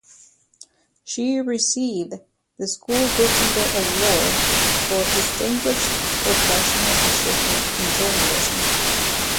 She received the school's Gutenberg Award "for distinguished professional achievement" in journalism.